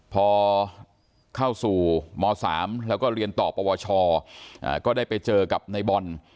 พอเข้าสู่ม๓แล้วก็เรียนต่อปวชก็ได้ไปเจอกับในบอล